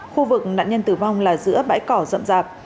khu vực nạn nhân tử vong là giữa bãi cỏ rậm rạp